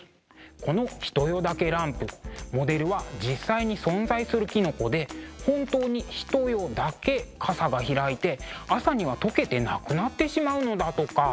この「ひとよ茸ランプ」モデルは実際に存在するきのこで本当にひと夜だけかさが開いて朝には溶けてなくなってしまうのだとか。